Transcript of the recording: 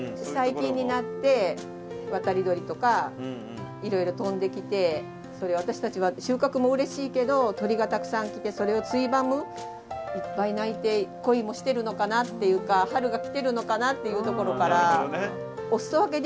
最近になって渡り鳥とかいろいろ飛んできて私たちは収穫もうれしいけど鳥がたくさん来てそれをついばむいっぱい鳴いて恋もしてるのかなっていうか春が来てるのかなっていうところから。